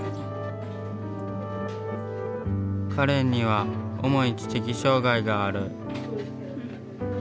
かれんには重い知的障害がある。